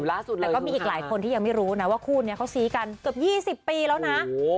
แต่ก็มีอีกหลายคนที่ยังไม่รู้นะว่าคู่นี้เขาซี้กันเกือบ๒๐ปีแล้วนะ